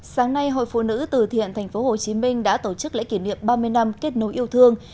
sáng nay hội phụ nữ từ thiện tp hcm đã tổ chức lễ kỷ niệm ba mươi năm kết nối yêu thương